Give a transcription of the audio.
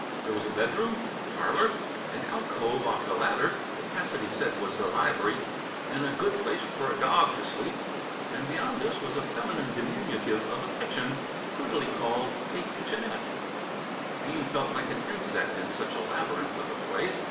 There was a bedroom, a parlour, an alcove off the latter that Cassidy said was the libr'y an' a good place f'r a dawg t' sleep, and beyond this was a feminine diminutive of a kitchen, prettily called a "kitchenette." Bean felt like an insect in such a labyrinth of a place.